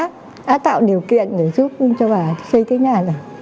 đã tạo điều kiện để giúp cho bà xây cái nhà này